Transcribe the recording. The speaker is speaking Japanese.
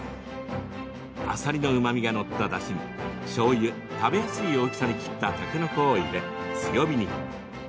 あさりのうまみが乗っただしにしょうゆ、食べやすい大きさに切ったたけのこを入れ、強火に。